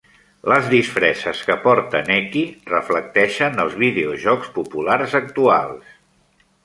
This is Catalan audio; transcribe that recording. Les disfresses que porta Necky reflecteixen els videojocs populars actuals.